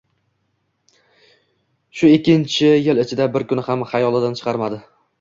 Shu ikki yil ichida bir kun ham xayolidan chiqarmadi.